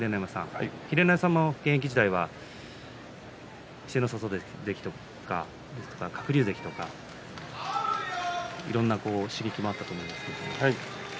秀ノ山さんも現役時代は稀勢の里関とか鶴竜関とかいろんな刺激もあったと思うんですけど。